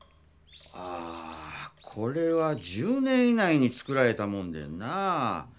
ああこれは１０年以内に作られたもんでんなぁ。